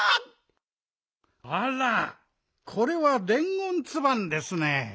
あらこれはでんごんツバンですね。